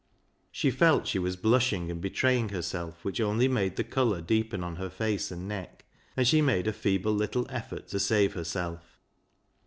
She felt she was blushing, and betray ing herself, which only made the colour deepen on her face and neck, and she made a feeble little effort to save herself.